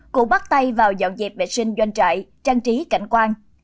cũng bắt tay vào dọn dẹp vệ sinh doanh trại trang trí cảnh quan